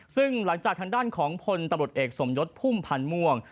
ซึ่งหลังจากทางด้านของพลตำรวจเอกสมยศพุ่มพันธ์ม่วง